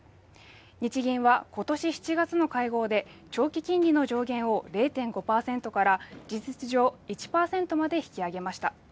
日銀はことし７月の会合で長期金利の上限を０．５％から事実上１％まで引き上げました